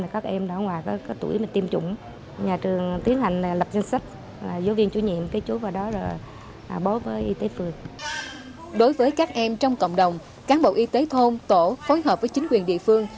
các em trong độ tuổi tiêm chủng phải khai báo ràng